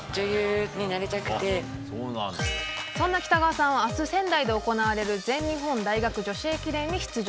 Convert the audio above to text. そんな北川さんは明日仙台で行われる全日本大学女子駅伝に出場。